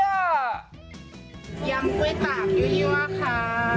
ยำกล้วยตาบยูยว่าค่ะ